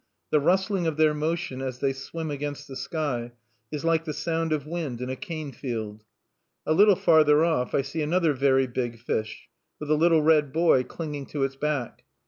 The rustling of their motion as they swim against the sky is like the sound of wind in a cane field. A little farther off I see another very big fish, with a little red boy clinging to its back.